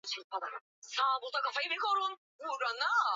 ni kama kawaida tu nikizungumzia kiba